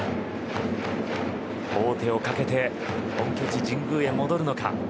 王手をかけて本拠地の神宮へ戻るのか。